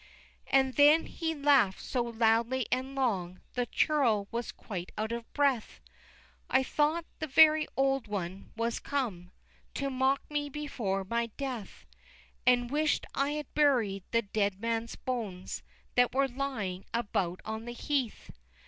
IX. And then he laugh'd so loudly and long, The churl was quite out of breath; I thought the very Old One was come To mock me before my death, And wish'd I had buried the dead men's bones That were lying about the heath!